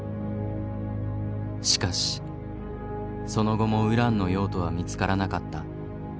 しかしその後もウランの用途は見つからなかった。